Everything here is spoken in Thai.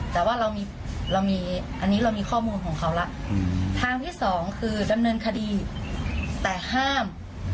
แต่ว่าเรามีเรามีอันนี้เรามีข้อมูลของเขาแล้วทางที่สองคือดำเนินคดีแต่ห้าม